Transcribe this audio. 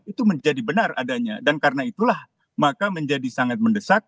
itu menjadi benar adanya dan karena itulah maka menjadi sangat mendesak